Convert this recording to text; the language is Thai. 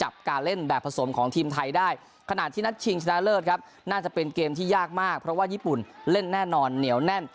เป็นที่ยากมากเพราะว่าญี่ปุ่นเล่นแน่นอนเหนียวแน่น